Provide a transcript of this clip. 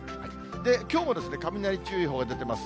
きょうも雷注意報が出てます。